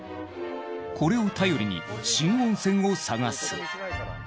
これを頼りに新温泉を探す。